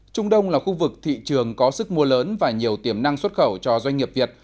trung đông là khu vực thị trường có sức mua lớn và nhiều tiềm năng xuất khẩu cho doanh nghiệp việt